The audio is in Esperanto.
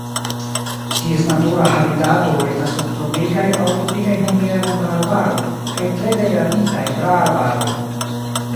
Ties natura habitato estas subtropikaj aŭ tropikaj humidaj montararbaroj kaj tre degraditaj praarbaroj.